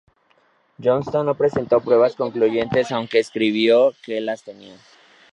Johnston no presentó pruebas concluyentes, aunque escribió que las tenía.